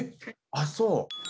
あっそう。